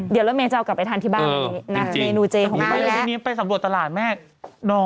เดี๋ยวแม่จะเอากลับไปทานที่บ้าน